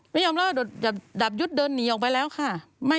ไม่ยอมเล่าดาบยุทธ์เดินหนีออกไปแล้วค่ะ